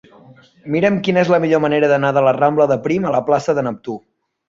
Mira'm quina és la millor manera d'anar de la rambla de Prim a la plaça de Neptú.